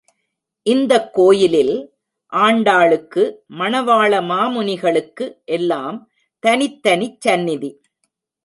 இந்தக் கோயிலில் ஆண்டாளுக்கு, மணவாள மாமுனிகளுக்கு எல்லாம் தனித்தனிச் சந்நிதி.